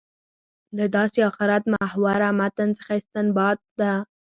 له داسې آخرت محوره متن څخه استنباط ده.